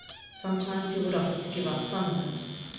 Sometimes he would offer to give up some of it.